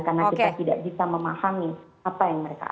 karena kita tidak bisa memahami apa yang mereka alami